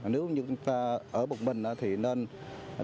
nếu như chúng ta ở một mình thì nên điện thoại